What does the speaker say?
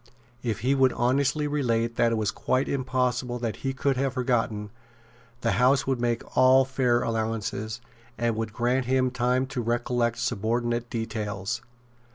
If he would honestly relate what it was quite impossible that he could have forgotten, the House would make all fair allowances, and would grant him time to recollect subordinate details.